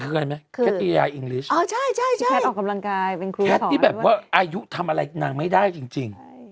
แคตตี้ยายนี่แบบว่าอายุทำอะไรนางไม่ได้จริง